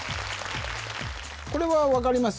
これは分かります？